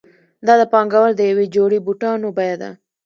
دا د پانګوال د یوې جوړې بوټانو بیه ده